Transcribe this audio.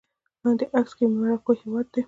لاندې عکس کې د مراکو هېواد دی